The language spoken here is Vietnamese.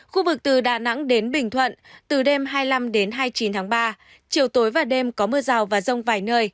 khu vực từ đà nẵng đến bình thuận từ đêm hai mươi năm đến hai mươi chín tháng ba chiều tối và đêm có mưa rào và rông vài nơi